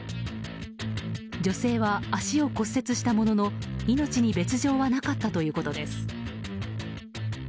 女性は足を骨折したものの命に別条はなかったということです。